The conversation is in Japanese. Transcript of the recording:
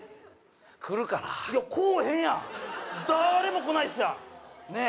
来るからいや来うへんやんだーれも来ないっすやんねえ